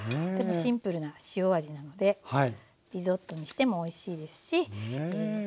でもシンプルな塩味なのでリゾットにしてもおいしいですし。